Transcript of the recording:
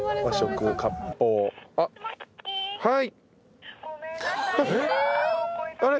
はい。